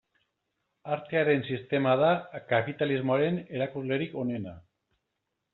Artearen sistema da kapitalismoaren erakuslerik onena.